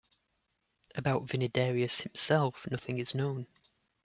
About Vinidarius himself nothing is known.